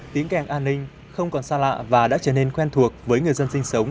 tiếng kèn an ninh không còn xa lạ và đã trở nên quen thuộc với người dân sinh sống